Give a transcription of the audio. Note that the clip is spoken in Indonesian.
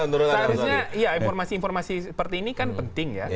seharusnya ya informasi informasi seperti ini kan penting ya